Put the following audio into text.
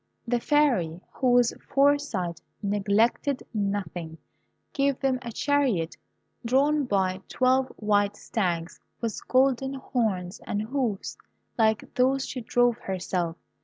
The Fairy, whose foresight neglected nothing, gave them a chariot, drawn by twelve white stags with golden horns and hoofs, like those she drove herself.